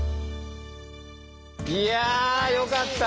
いやよかった！